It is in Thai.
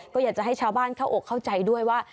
ก็อยากจะให้ชาวบ้านเข้าอกเข้าใจด้วยว่า